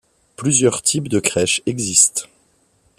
Plusieurs types de crèches existent.